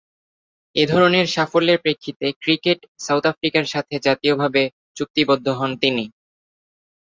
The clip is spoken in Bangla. এধরনের সাফল্যের প্রেক্ষিতে ক্রিকেট সাউথ আফ্রিকার সাথে জাতীয়ভাবে চুক্তিবদ্ধ হন তিনি।